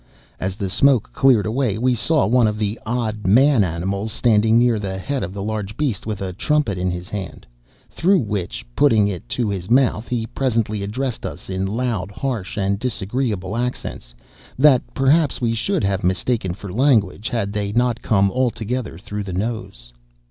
As the smoke cleared away, we saw one of the odd man animals standing near the head of the large beast with a trumpet in his hand, through which (putting it to his mouth) he presently addressed us in loud, harsh, and disagreeable accents, that, perhaps, we should have mistaken for language, had they not come altogether through the nose.